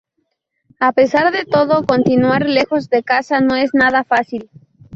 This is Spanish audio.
A pesar de todo, continuar lejos de casa no es nada fácil.